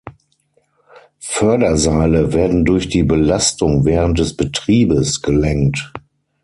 Förderseile werden durch die Belastung während des Betriebes gelängt.